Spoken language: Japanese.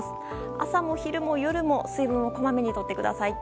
朝も昼も夜も水分をこまめに取ってください。